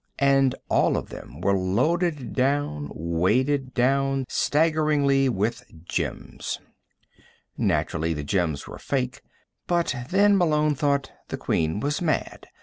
And all of them were loaded down, weighted down, staggeringly, with gems. Naturally, the gems were fake. But then, Malone thought, the Queen was mad.